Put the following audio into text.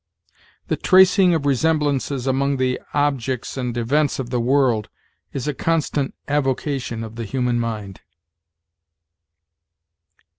"The tracing of resemblances among the objects and events of the world is a constant avocation of the human mind."